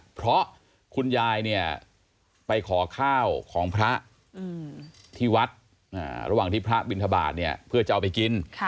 เพราะคุณยายเนี่ยไปขอข้าวของพระที่วัดระหว่างที่พระบินทบาทเนี่ยเพื่อจะเอาไปกิน